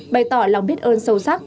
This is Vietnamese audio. bày tỏ lòng biết ơn sâu sắc